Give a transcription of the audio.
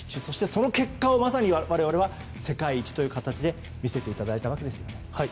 その結果をまさに我々は世界一という形で見せていただいたわけですよね。